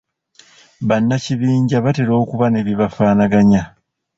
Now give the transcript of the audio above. Bannakibinja batera okuba ne bye bafaanaganya.